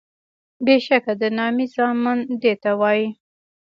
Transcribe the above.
بیشکه د نامي زامن دیته وایي